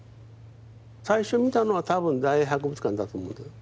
最初見たのはたぶん大英博物館だと思うんです。